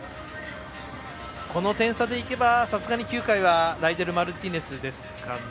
この点差でいけばさすがに９回はライデル・マルティネスですかね。